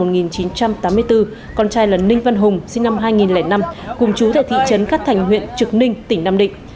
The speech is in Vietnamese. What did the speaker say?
ông ninh quang cách sinh năm hai nghìn năm cùng chú tại thị trấn cát thành huyện trực ninh tỉnh nam định